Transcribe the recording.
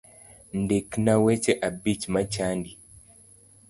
Ndikna weche abich machandi